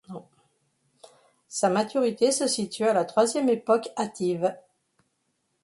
Sa maturité se situe à la troisième époque hâtive.